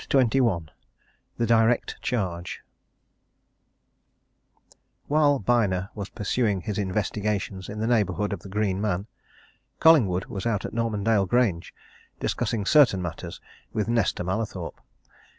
CHAPTER XXI THE DIRECT CHARGE While Byner was pursuing his investigations in the neighbourhood of the Green Man, Collingwood was out at Normandale Grange, discussing certain matters with Nesta Mallathorpe.